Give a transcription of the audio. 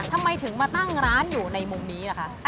ทำไมถึงมาตั้งร้านอยู่ในมุมนี้ล่ะคะ